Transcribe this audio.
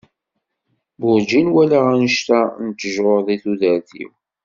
Werǧin walaɣ annect-a n ttjur deg tudert-iw.